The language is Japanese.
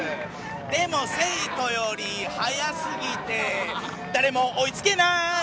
でも生徒より速すぎて誰も追いつけない。